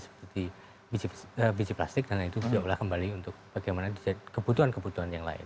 seperti biji plastik dan lain itu sudah olah kembali untuk bagaimana kebutuhan kebutuhan yang lain